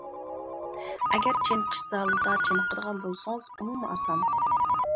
ئەگەر چېنىقىش زالىدا چېنىقىدىغان بولسىڭىز ئۇمۇ ئاسان.